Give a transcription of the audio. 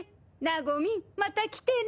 なごみんまた来てね。